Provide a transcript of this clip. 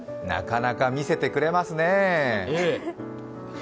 なかなか見せてくれますね。